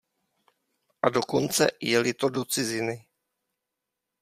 A dokonce, je-li to do ciziny.